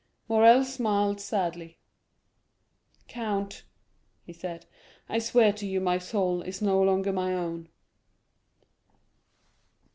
Morrel smiled sadly. "Count," he said, "I swear to you my soul is no longer my own."